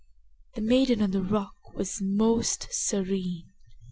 The maiden on the rock was most serene.